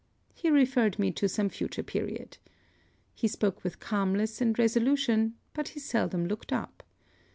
He referred me to some future period. He spoke with calmness and resolution, but he seldom looked up.